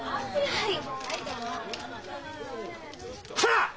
はい。